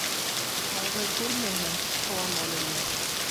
Ҡайғы күрмәгән ҡыуана белмәҫ